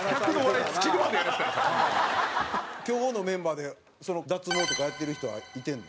今日のメンバーで脱毛とかやってる人はいてんの？